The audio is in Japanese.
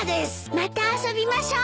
また遊びましょう。